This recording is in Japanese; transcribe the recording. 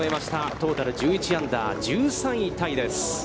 トータル１１アンダー、１３位タイです。